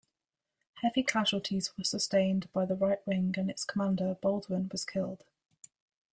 Heavy casualties were sustained by the right wing and its commander, Baldwin, was killed.